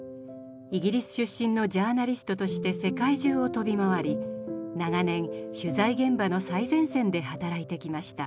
イギリス出身のジャーナリストとして世界中を飛び回り長年取材現場の最前線で働いてきました。